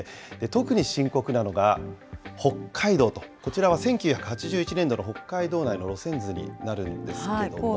特に深刻なのが、北海道と、こちらは１９８１年度の北海道内の路線図になるんですけれども。